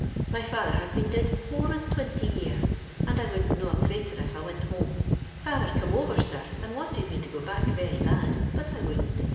My father has be^ did four and twinty year, and I wouldn't know a crature if I wint home. Father come over, sir, and wanted me to go back very bad, but I wouldn't.